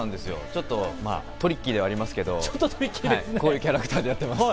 ちょっとトリッキーではありますけど、こういうキャラクターでやってます。